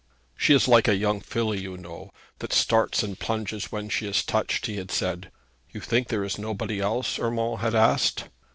'She is like a young filly, you know, that starts and plunges when she is touched,' he had said. 'You think there is nobody else?' Urmand had asked.